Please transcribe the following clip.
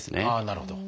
なるほど。